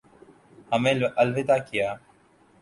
ہمیں الوداع کیا